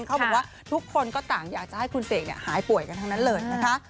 เขาบอกว่าทุกคนก็ต่างอยากจะให้คุณเสกหายป่วยกันทั้งนั้นเลยนะคะ